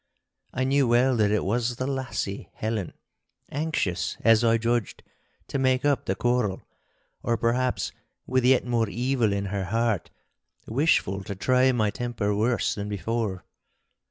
I knew well that it was the lassie Helen, anxious, as I judged, to make up the quarrel; or, perhaps, with yet more evil in her heart, wishful to try my temper worse than before.